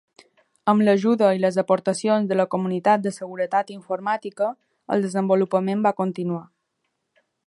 Amb l'ajuda i les aportacions de la comunitat de seguretat informàtica, el desenvolupament va continuar.